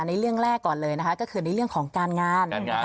ในเรื่องแรกก่อนเลยก็คือการงาน